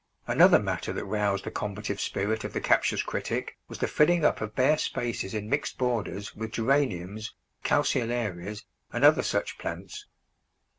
Another matter that roused the combative spirit of the captious critic was the filling up of bare spaces in mixed borders with Geraniums, Calceolarias, and other such plants.